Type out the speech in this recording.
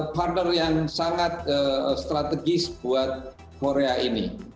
partner yang sangat strategis buat korea ini